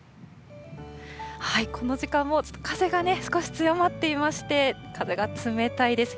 この時間も風が少し強まっていまして、風が冷たいです。